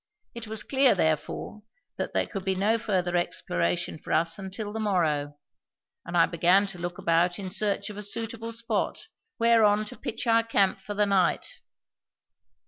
It was clear, therefore, that there could be no further exploration for us until the morrow, and I began to look about in search of a suitable spot whereon to pitch our camp for the night.